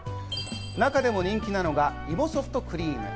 中でも人気なのが芋ソフトクリーム。